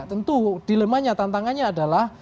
tentu dilemanya tantangannya adalah